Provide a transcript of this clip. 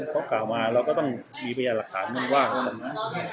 พอกลับมาเราก็ต้องมีพยานหลักฐานมั่นว่างนะครับนะ